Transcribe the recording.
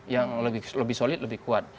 yang lebih solid lebih kuat